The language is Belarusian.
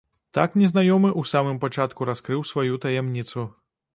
Так незнаёмы ў самым пачатку раскрыў сваю таямніцу.